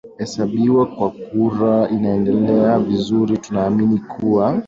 esabiwa kwa kura inaendelea vizuri tunaamini kuwa